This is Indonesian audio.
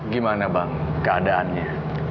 gimana bang keadaannya